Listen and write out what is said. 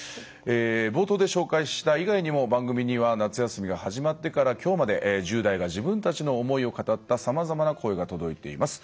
冒頭で紹介した以外にも番組には夏休みが始まってから今日まで１０代が自分たちの思いを語ったさまざまな声が届いています。